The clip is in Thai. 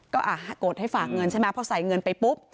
ก็กดให้ฝากเงินใช่ไหมพอใส่เงินไปปุ๊บ